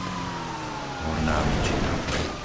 Horná Mičiná